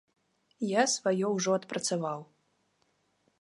Я сваё ўжо адпрацаваў.